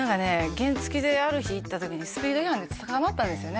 原付きである日行った時にスピード違反で捕まったんですよね